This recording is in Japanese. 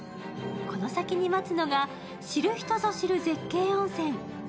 この先に待つのが、知る人ぞ知る絶景温泉。